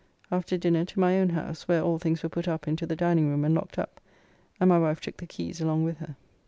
After dinner to my own house, where all things were put up into the dining room and locked up, and my wife took the keys along with her.